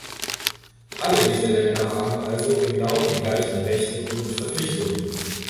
Alle diese Länder haben also genau die gleichen Rechte und Verpflichtungen.